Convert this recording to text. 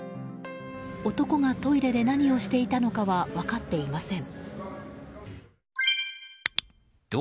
男がトイレで何をしていたのかは分かっていません。